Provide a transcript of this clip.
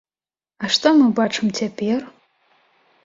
А што мы бачым цяпер?